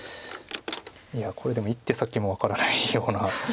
いやこれでも１手先も分からないような。